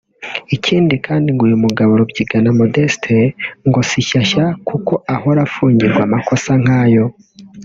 ikindi kandi ngo uyu mugabo Rubyigana Modeste ngo si shyashya kuko ngo ahora afungirwa amakosa nkayo